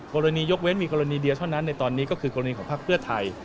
ยกเว้นมีกรณีเดียวเท่านั้นในตอนนี้ก็คือกรณีของพักเพื่อไทย